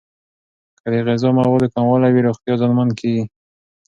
که د غذا موادو کموالی وي، روغتیا زیانمن کیږي.